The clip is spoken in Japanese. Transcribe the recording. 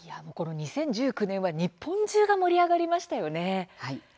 ２０１９年は日本中が盛り上がりましたよね。